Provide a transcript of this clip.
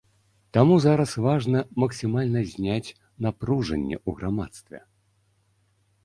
Таму зараз важна максімальна зняць напружанне ў грамадстве.